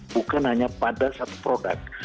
bukan hanya pada satu produk